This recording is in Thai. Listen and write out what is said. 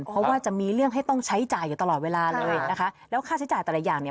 เพราะว่าจะมีเรื่องให้ต้องใช้จ่ายอยู่ตลอดเวลาเลยนะคะแล้วค่าใช้จ่ายแต่ละอย่างเนี่ย